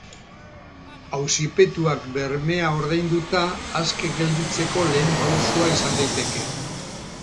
Auzipetuak bermea ordainduta aske gelditzeko lehen pausoa izan daiteke.